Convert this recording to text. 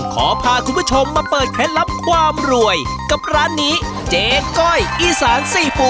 ขอพาคุณผู้ชมมาเปิดเคล็ดลับความรวยกับร้านนี้เจ๊ก้อยอีสานซีฟู้